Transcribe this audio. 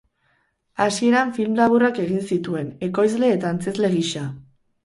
Hasieran film laburrak egin zituen, ekoizle eta antzezle gisa.